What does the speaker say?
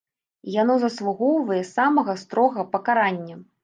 І яно заслугоўвае самага строгага пакарання.